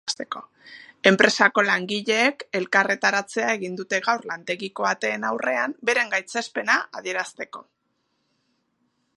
Enpresako langileek elkarretaratzea egin dute gaur lantegiko ateen aurrean, beren gaitzespena adierazteko.